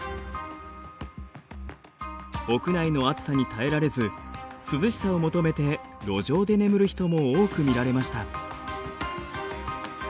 屋内の暑さに耐えられず涼しさを求めて路上で眠る人も多く見られました。